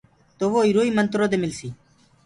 تو وو اِرو ئي منترو دي مِلسيٚ۔